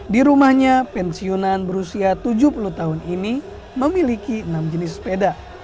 di rumahnya pensiunan berusia tujuh puluh tahun ini memiliki enam jenis sepeda